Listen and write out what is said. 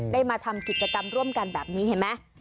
ได้มาทำกิจกรรมร่วมกันแบบนี้เห็นไหม